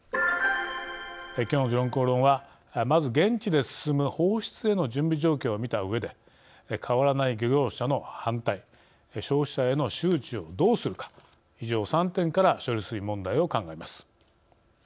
きょうの「時論公論」はまず、現地で進む放出への準備状況を見たうえで変わらない漁業者の反対消費者への周知をどうするか以上、３点から処理水問題を考えます。